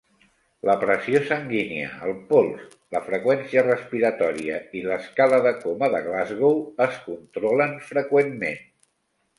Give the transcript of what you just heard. La pressió sanguínia, el pols, la freqüència respiratòria i l'Escala de Coma de Glasgow es controlen freqüentment.